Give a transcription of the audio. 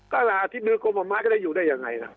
ก็อาทิตย์มือกรมหมายก็ได้อยู่ได้ยังไง